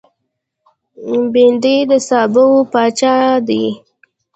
بېنډۍ د سابو پاچا نه ده، خو ښه خوړه ده